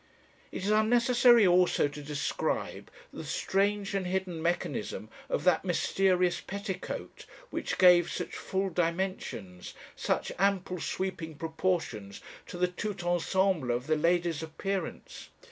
"It is unnecessary also to describe the strange and hidden mechanism of that mysterious petticoat which gave such full dimensions, such ample sweeping proportions to the tout ensemble of the lady's appearance.